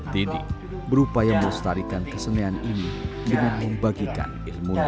didik berupaya melestarikan kesenehan ini dengan membagikan ilmunya